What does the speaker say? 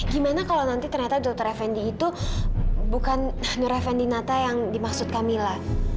gimana kalau nanti ternyata dokter fendi itu bukan nure fendi nata yang dimaksud kamila